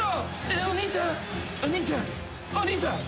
お兄さん。